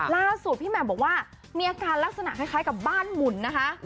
ล่าสุดพี่แหม่มบอกว่ามีอาการลักษณะคล้ายกับบ้านหมุนนะคะ